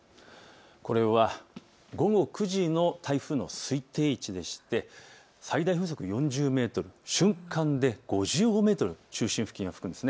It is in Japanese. これは午後９時の台風の推定位置でして最大風速４０メートル、瞬間で５５メートル、中心付近が吹くんです。